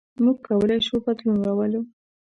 موږ کولی شو بدلون راولو.